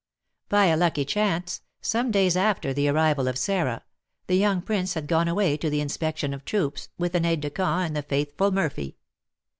By a lucky chance, some days after the arrival of Sarah, the young prince had gone away to the inspection of troops, with an aide de camp and the faithful Murphy.